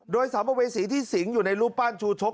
โดยสัมภเวษีที่สิงอยู่ในรูปปั้นชูชก